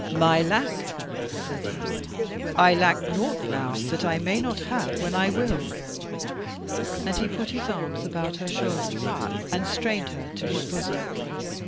"My lack?" said he; "I lack nought now, that I may not have when I will." And he put his arms about her shoulders and strained her to his bosom.